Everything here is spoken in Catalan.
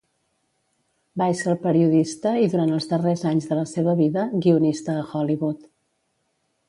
Va ésser periodista i, durant els darrers anys de la seva vida, guionista a Hollywood.